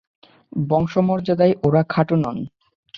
বংশমর্যাদায় ওঁরা খাটো নন।